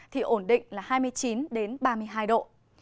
thì ổn định là hai mươi chín ba mươi hai độ